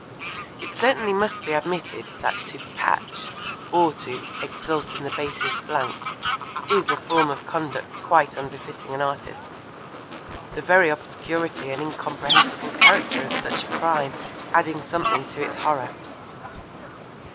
It certainly must be admitted that to 'patch' or to 'exult in the basest blank' is a form of conduct quite unbefitting an artist, the very obscurity and incomprehensible character of such a crime adding something to its horror.